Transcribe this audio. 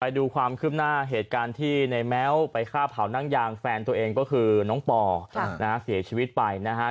ดูความคืบหน้าเหตุการณ์ที่ในแม้วไปฆ่าเผานั่งยางแฟนตัวเองก็คือน้องปอนะฮะเสียชีวิตไปนะฮะ